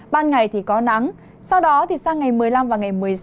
ban ngày có nắng sau đó sang ngày một mươi năm và ngày một mươi sáu